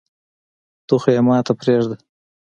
ته خو يي ماته پریږده